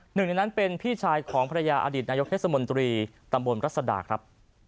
หนึ่งในนั้นเป็นพี่ชายของภรรยาอดีตนายกเทศมนตรีตำบลรัศดาครับ